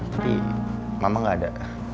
tapi mama gak ada